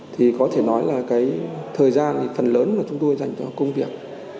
thì có thể nói là cái thời gian thì phần lớn mà chúng tôi dành cho công việc